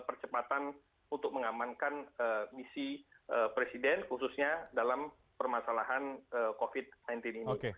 percepatan untuk mengamankan misi presiden khususnya dalam permasalahan covid sembilan belas ini